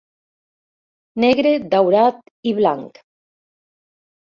Negre, daurat i blanc.